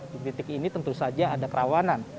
di titik ini tentu saja ada kerawanan